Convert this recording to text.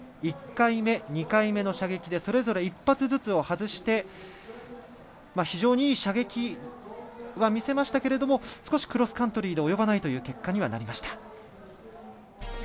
１回目、２回目の射撃でそれぞれ１発ずつを外して非常にいい射撃は見せましたが少しクロスカントリーで及ばないという結果にはなりました。